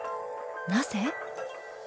なぜ？